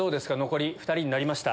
残り２人になりました。